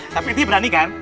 tapi dia berani kan